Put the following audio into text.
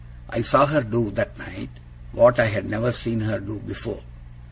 I saw her do, that night, what I had never seen her do before.